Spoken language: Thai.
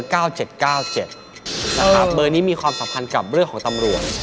เบอร์นี้มีความสัมพันธ์กับเรื่องของตำรวจ